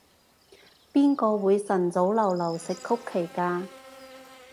邊個會晨早流流食曲奇㗎？